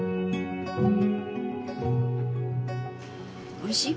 おいしい？